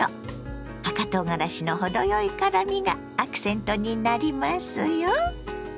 赤とうがらしの程よい辛みがアクセントになりますよ。